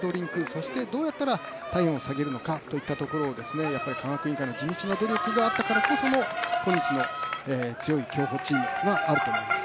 そしてどうやったら体温を下げるのかといったところをやはり科学委員会の地道な努力があったからこそ今日の強い競歩チームがあると思います。